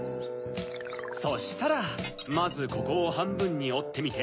そしたらまずここをはんぶんにおってみて。